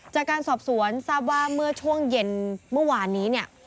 จากการสอบสวนทราบว่าเมื่อช่วงเย็นเมื่อวานนี้เนี่ย